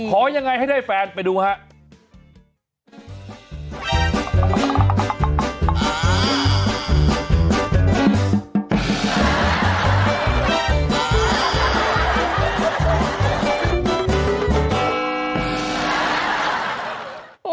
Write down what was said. ขอยังไงให้ได้แฟนไปดูครับ